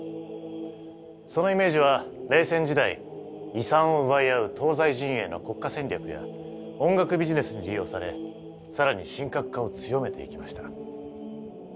そのイメージは冷戦時代遺産を奪い合う東西陣営の国家戦略や音楽ビジネスに利用され更に神格化を強めていきました。